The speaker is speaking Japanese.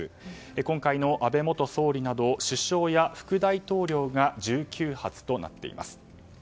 今回の安倍元総理など首相や副大統領が１９発となっています。